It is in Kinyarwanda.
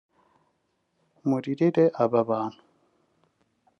muririre aba bantu